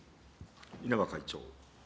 稲葉会長。